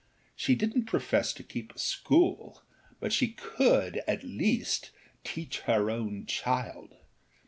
She didnât profess to keep a school, but she could at least teach her own child.